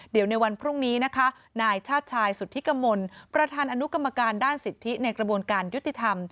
เดี๋ยวในวันพรุ่งนี้นะคะนายชาติชายสุธิกมลประธานอนุกรรมการด้านสิทธิในกระบวนการยุติธรรม